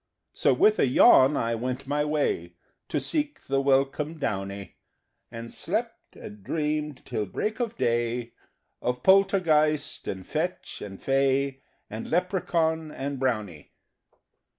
So with a yawn I went my way To seek the welcome downy, And slept, and dreamed till break of day Of Poltergeist and Fetch and Fay And Leprechaun and Brownie!